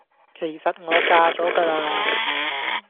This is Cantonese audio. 其實我嫁咗㗎啦